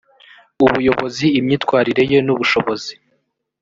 ubuyobozi imyitwarire ye n ubushobozi